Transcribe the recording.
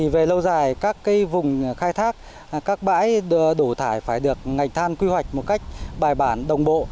về lâu dài các vùng khai thác các bãi đổ thải phải được ngành than quy hoạch một cách bài bản đồng bộ